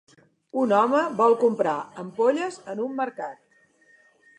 Un home vol comprar ampolles en un mercat